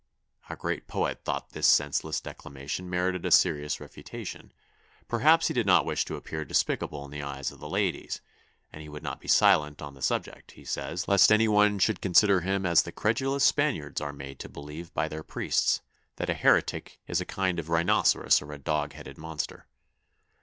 _' Our great poet thought this senseless declamation merited a serious refutation; perhaps he did not wish to appear despicable in the eyes of the ladies; and he would not be silent on the subject, he says, lest any one should consider him as the credulous Spaniards are made to believe by their priests, that a heretic is a kind of rhinoceros or a dog headed monster.